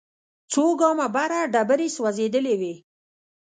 څو ګامه بره ډبرې سوځېدلې وې.